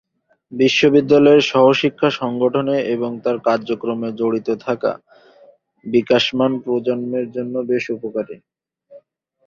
বিদ্যালয়ের সহশিক্ষা সংগঠনে এবং তার কার্যক্রমে জড়িত থাকা বিকাশমান প্রজন্মের জন্য বেশ উপকারী।